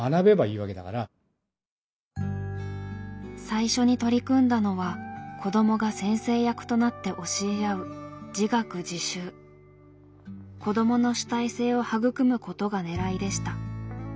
最初に取り組んだのは子どもが先生役となって教え合う子どもの主体性を育むことがねらいでした。